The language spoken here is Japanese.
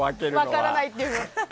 分からないってのは。